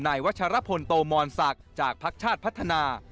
นายวัชรพลโตมอนศักดิ์จากพักชาติพัฒนา